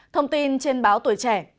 thông tin trên báo tuổi trẻ